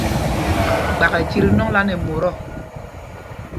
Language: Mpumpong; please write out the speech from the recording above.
Gbak ɛ tit nɔŋla nɛ mot ɔ̂.